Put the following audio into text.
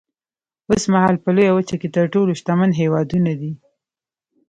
اوسمهال په لویه وچه کې تر ټولو شتمن هېوادونه دي.